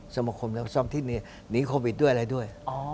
สมคมแล้วซ่อมที่นี่หนีโควิดด้วยอะไรด้วย